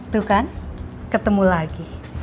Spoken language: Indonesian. tuh kan ketemu lagi